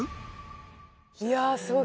いやすごい！